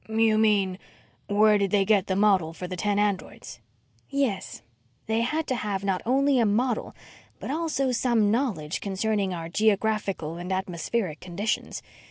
"You mean, where did they get the model for the ten androids?" "Yes. They had to have not only a model, but also some knowledge concerning our geographical and atmospheric conditions.